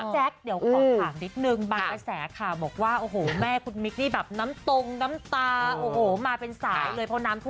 แจ๊คเดี๋ยวขอถามนิดนึงบางกระแสข่าวบอกว่าโอ้โหแม่คุณมิกนี่แบบน้ำตรงน้ำตาโอ้โหมาเป็นสายเลยเพราะน้ำท่วม